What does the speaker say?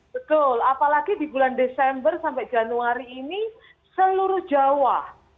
betul apalagi di bulan desember sampai januari ini seluruh jawa